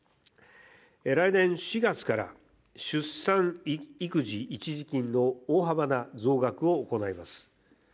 来年４月から出産育児一時金の大幅な増額を行います。